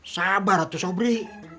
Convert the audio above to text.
sabar tuh sobri